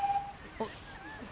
あっ。